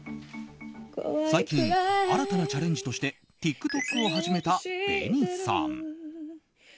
最近、新たなチャレンジとしてＴｉｋＴｏｋを始めたＢＥＮＩさん。